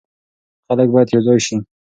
خلک باید یو ځای شي.